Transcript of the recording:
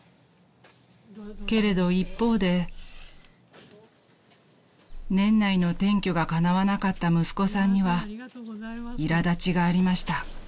［けれど一方で年内の転居がかなわなかった息子さんにはいら立ちがありました］